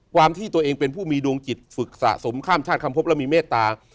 ความที่ตัวเองเป็นผู้มีดวงจิตฝึกสะสมข้ามชาติคำพบและมีเมตตา